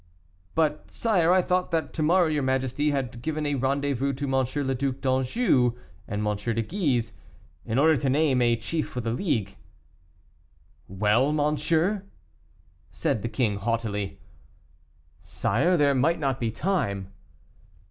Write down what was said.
"But, sire, I thought that to morrow your majesty had given a rendezvous to Monsieur le Duc d'Anjou and M. de Guise, in order to name a chief for the League." "Well, monsieur?" said the king haughtily. "Sire, there might not be time."